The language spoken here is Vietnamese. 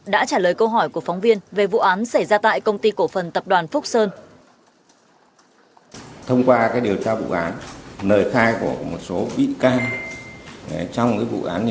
đã trả lời câu hỏi của phóng viên về vụ án xảy ra tại công ty cổ phần tập đoàn giáo dục e group